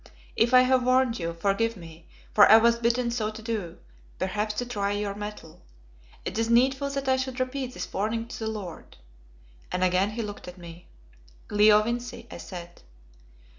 If I have warned you, forgive me, for I was bidden so to do, perhaps to try your mettle. Is it needful that I should repeat this warning to the lord " and again he looked at me. "Leo Vincey," I said.